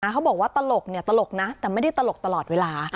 เขาบอกว่าตลกตลกนะแต่ไม่ได้ตลกตลอดเวลา